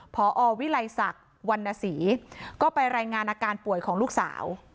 พอวิลัยศักดิ์วรรณศรีก็ไปรายงานอาการป่วยของลูกสาว